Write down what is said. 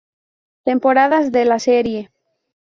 Temporadas de la serie.